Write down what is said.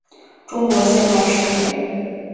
中国现代诗人。